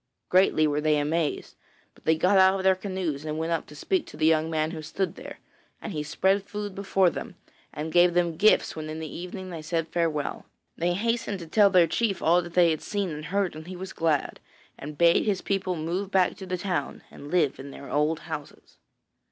Greatly were they amazed, but they got out of their canoes and went up to speak to the young man who stood there, and he spread food before them, and gave them gifts when in the evening they said farewell. They hastened to tell their chief all that they had seen and heard, and he was glad, and bade his people move back to the town and live in their old houses.